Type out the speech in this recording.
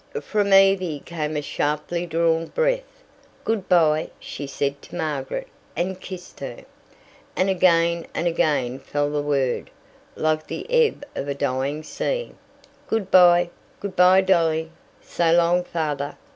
From Evie came a sharply drawn breath. "Good bye," she said to Margaret, and kissed her. And again and again fell the word, like the ebb of a dying sea. "Good bye." "Good bye, Dolly." "So long, Father."